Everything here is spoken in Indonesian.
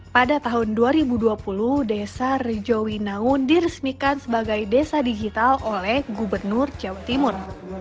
pada tahun dua ribu dua puluh desa rejowinangun diresmikan sebagai desa digital oleh gubernur jawa timur